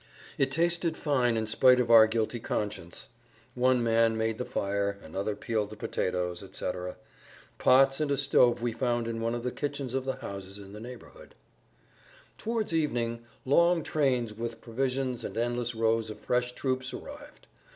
It tasted fine in spite of our guilty conscience. One man made the fire, another peeled the potatoes, etc. Pots and a stove we found in one of the kitchens of the houses in the neighborhood. [Pg 131]Towards evening long trains with provisions and endless rows of fresh troops arrived.